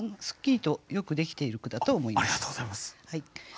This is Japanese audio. すっきりとよくできている句だと思います。